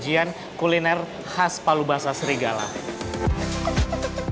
jadi ini adalah resep yang paling menarik untuk pelanggan yang ingin menikmati palu basah serigala